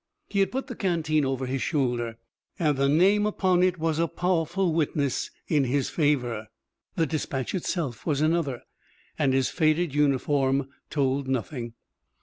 He had put the canteen over his shoulder and the name upon it was a powerful witness in his favor. The dispatch itself was another, and his faded uniform told nothing.